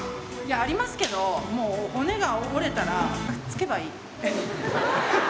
ありますけど、もう骨が折れたら、くっつけばいい。